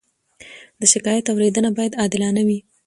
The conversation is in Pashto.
د شکایت اورېدنه باید عادلانه وي.